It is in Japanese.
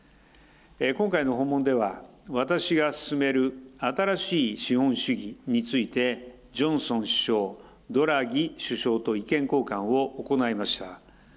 今回の訪問では、私が進める新しい資本主義について、ジョンソン首相、ドラギ首相と意見交換を行いました。